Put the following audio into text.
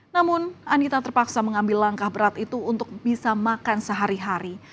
namun anita terpaksa mengambil langkah berat itu untuk bisa makan sehari hari